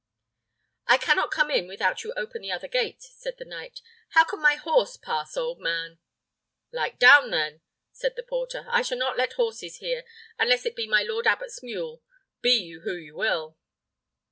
"I cannot come in without you open the other gate," said the knight. "How can my horse pass, old man?" "Light down, then!" said the porter. "I shall not let in horses here, unless it be my lord abbot's mule, be you who you will."